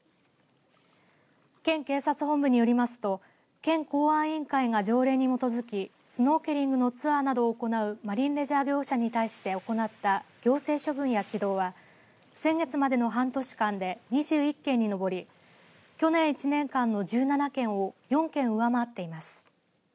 県警察本部によりますと県公安委員会が条例に基づきスノーケリングのツアーなどを行うマリンレジャー業者に対して行った行政処分や指導は先月までの半年間で２１件に上り去年１年間の１７件を４件上回っています。